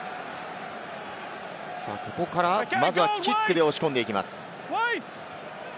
ここからまずはキックで押し込んでいきます。